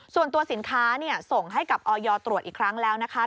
ส่วนตัวสินค้าส่งให้กับออยตรวจอีกครั้งแล้วนะคะ